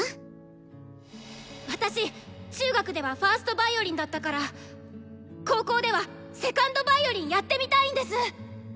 私中学では１ｓｔヴァイオリンだったから高校では２ｎｄヴァイオリンやってみたいんです！